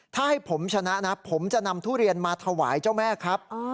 ถ้าให้ผมชนะนะผมจะนำทุเรียนมาถวายเจ้าแม่ครับ